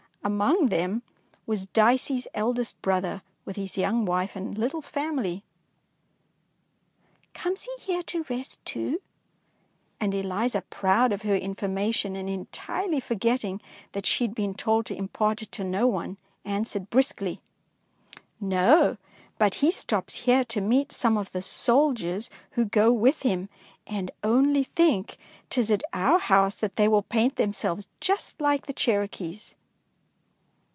Among them was Dicey's eld est brother with his young wife and little family. "Comes he here to rest too ? and Eliza, proud of her information, and entirely forgetting that she had been told to impart it to no one, answered briskly, —" No, but he stops here to meet some of the soldiers who go with him, and only think, ^tis at our house that they will paint themselves just like the Cherokees!